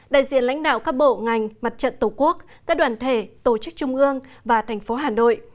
đại diện lãnh đạo các bộ ngành mặt trận tổ quốc các đoàn thể tổ chức trung ương và thành phố hà nội